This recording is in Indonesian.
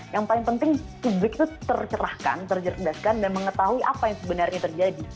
yang paling penting publik itu tercerahkan terjerdaskan dan mengetahui apa yang sebenarnya terjadi